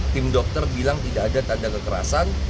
tim dokter bilang tidak ada tanda kekerasan